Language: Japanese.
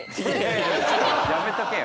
やめとけよ。